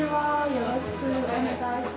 よろしくお願いします。